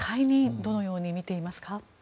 どのようにみていますか？